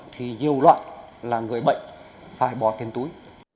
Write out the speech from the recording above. thì nhiều loại là người bệnh phải bỏ tiền túi